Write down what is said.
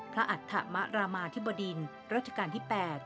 พระอัตทระมะระมาธิบดินน์ราชการที่๘